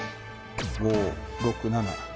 ５６７